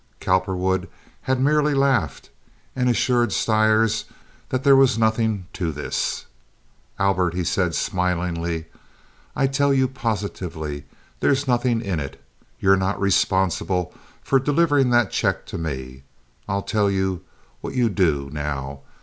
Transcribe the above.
Cowperwood had merely laughed and assured Stires that there was nothing to this. "Albert," he had said, smilingly, "I tell you positively, there's nothing in it. You're not responsible for delivering that check to me. I'll tell you what you do, now.